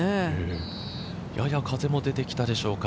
やや風も出てきたでしょうか。